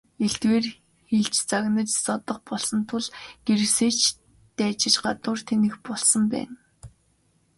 Элдвээр хэлж, загнаж зодох болсон тул гэрээсээ ч дайжиж гадуур тэнэх болсон байна.